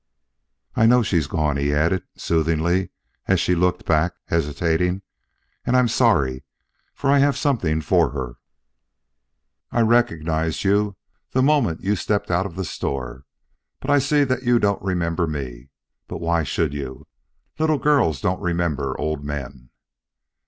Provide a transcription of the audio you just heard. "I know she's gone," he added soothingly as she looked back, hesitating. "And I'm sorry, for I have something for her. I recognized you the moment you stepped out of the store; but I see that you don't remember me. But why should you? Little girls don't remember old men."